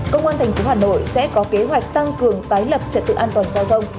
công an thành phố hà nội sẽ có kế hoạch tăng cường tái lập trật tự an toàn giao dông